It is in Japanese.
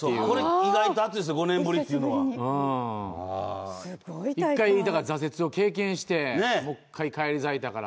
意外と熱いですよ、５年ぶりというのは。１回挫折を経験して、もう１回返り咲いたから。